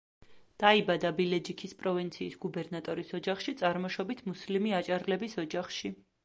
დაიბადა ბილეჯიქის პროვინციის გუბერნატორის ოჯახში, წარმოშობით მუსლიმი აჭარლების ოჯახში.